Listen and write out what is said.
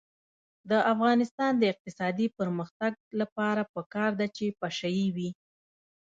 د افغانستان د اقتصادي پرمختګ لپاره پکار ده چې پشه یي وي.